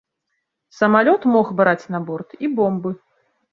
Самалёт мог браць на борт і бомбы.